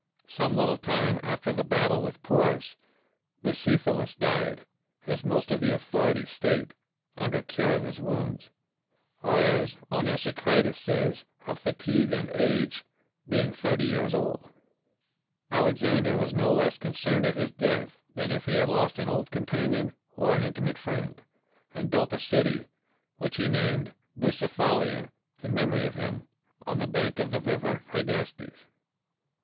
Some Uttle time after the battle with Porus, Bucepha lus died, as most of the authorities state, under cure of his wounds, or as Onesicritus says, of fatigue and age, * About six feet, eight inches. 85 INDIA being thirty years old. Alexander was no less concerned at his death than if he had lost an old companion or an intimate friend, and built a city, which he named Bucephaha, in memory of him, on the bank of the river Hydaspes.